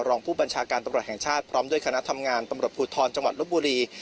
รองผู้บัญชาการตำรวจแห่งชาติพร้อมด้วยคณะทำงานตำรวจภูทรจังหวัดลบบุรี